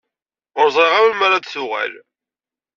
Ur ẓriɣ ara melmi ara d-tuɣal.